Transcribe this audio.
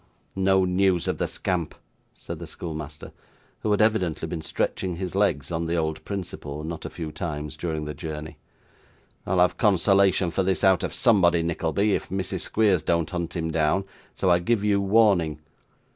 'No news of the scamp!' said the schoolmaster, who had evidently been stretching his legs, on the old principle, not a few times during the journey. 'I'll have consolation for this out of somebody, Nickleby, if Mrs. Squeers don't hunt him down; so I give you warning.